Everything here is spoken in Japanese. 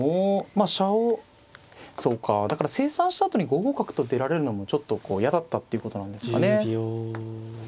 まあ飛車をそうかだから清算したあとに５五角と出られるのもちょっとこう嫌だったっていうことなんですかね。